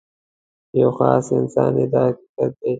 یو خاص انسان یې دا حقیقت دی.